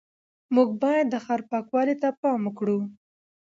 موږ باید د ښار پاکوالي ته پام وکړو